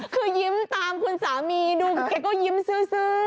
คือยิ้มตามคุณสามีดูแกก็ยิ้มซื้อ